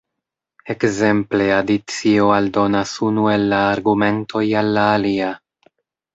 Ekzemple adicio aldonas unu el la argumentoj al la alia.